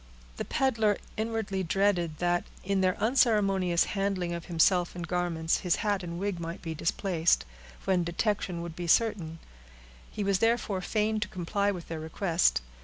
The peddler inwardly dreaded, that, in their unceremonious handling of himself and garments, his hat and wig might be displaced, when detection would be certain; he was therefore fain to comply with their request.